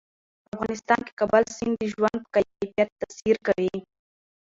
په افغانستان کې کابل سیند د ژوند په کیفیت تاثیر کوي.